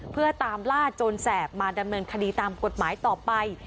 เพื่อตามล่าโจรแสบมาดำเนินคดีตามกฎหมายต่อไป